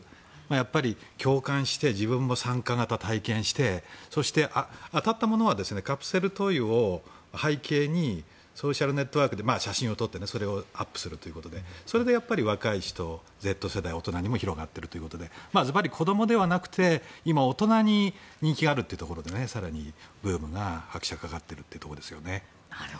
やっぱり、共感して自分も参加型、体験してそして当たったものはカプセルトイを背景にソーシャルネットワークで写真を撮ってそれをアップするということでそれで若い人、Ｚ世代、大人にも広がっているということでずばり、子どもではなくて今、大人に人気があるというところで更にブームに拍車がかかっているところですね。